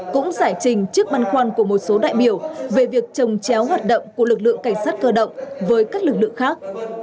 cũng giải trình trước băn khoăn của một số đại biểu về việc trồng chéo hoạt động của lực lượng cảnh sát cơ động với các lực lượng khác